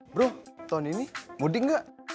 bro tahun ini mudik nggak